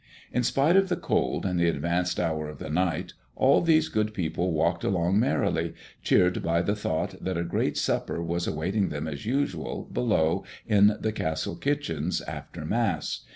In spite of the cold and the advanced hour of the night, all these good people walked along merrily, cheered by the thought that a great supper was awaiting them as usual, below, in the castle kitchens, after Mass.